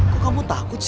kok kamu takut sih